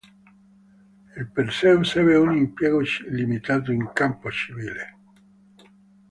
Il Perseus ebbe un impiego limitato in campo civile.